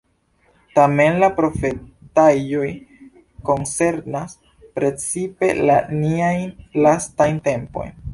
Tamen la profetaĵoj koncernas precipe la niajn lastajn tempojn.